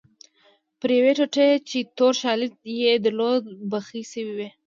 پر یوې ټوټه چې تور شالید یې درلود بخۍ شوې وې.